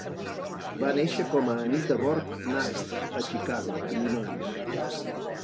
Va néixer com a Anita Borg Naffz a Chicago, Illinois.